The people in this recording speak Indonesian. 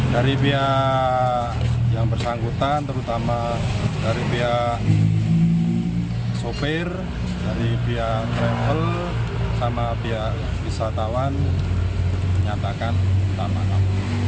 dari pihak yang bersangkutan terutama dari pihak sopir dari pihak travel sama pihak wisatawan menyatakan minta maaf